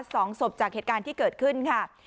สองศพจากเหตุการณ์ที่เกิดขึ้นค่ะ